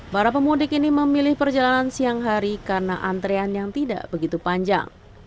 para pemudik ini memilih perjalanan siang hari karena antrean yang tidak begitu panjang